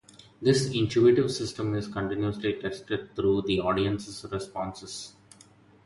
This intuitive system is continuously tested through the audience's responses.